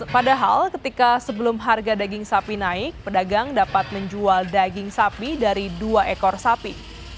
padahal ketika sebelum harga daging sapi naik pedagang dapat menjual daging sapi dari dua ekor sapi